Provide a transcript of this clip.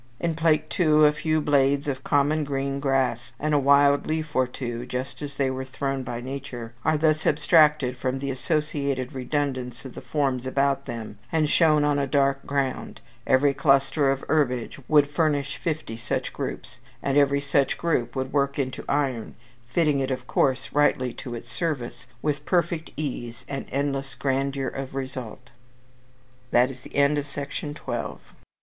In Plate 2, a few blades of common green grass, and a wild leaf or two just as they were thrown by nature, are thus abstracted from the associated redundance of the forms about them, and shown on a dark ground: every cluster of herbage would furnish fifty such groups, and every such group would work into iron (fitting it, of course, rightly to its service) with perfect